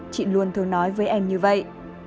chị luôn thường nói với em như vậy